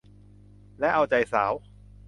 และเอาใจสาว